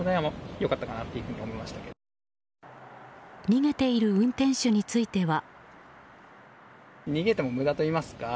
逃げている運転手については。